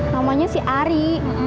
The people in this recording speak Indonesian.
namanya si ari